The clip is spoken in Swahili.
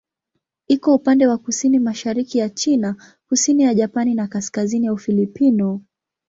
Iko upande wa kusini-mashariki ya China, kusini ya Japani na kaskazini ya Ufilipino.